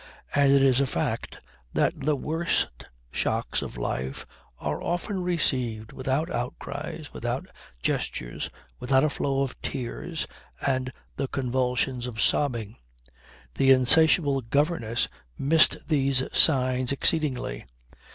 And it is a fact that the worst shocks of life are often received without outcries, without gestures, without a flow of tears and the convulsions of sobbing. The insatiable governess missed these signs exceedingly.